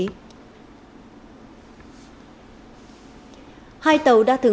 ở hai tàu